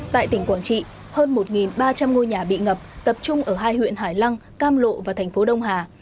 tại tỉnh quảng trị hơn một ba trăm linh ngôi nhà bị ngập tập trung ở hai huyện hải lăng cam lộ và thành phố đông hà